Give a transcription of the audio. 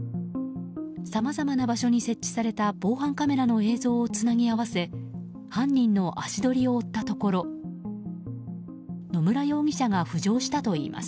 さまざまな場所に設置された防犯カメラの映像をつなぎ合わせ犯人の足取りを追ったところ野村容疑者が浮上したといいます。